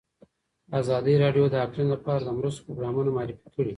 ازادي راډیو د اقلیم لپاره د مرستو پروګرامونه معرفي کړي.